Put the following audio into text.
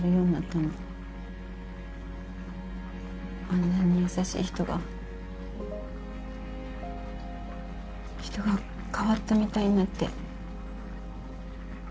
あんなに優しい人が人が変わったみたいになって。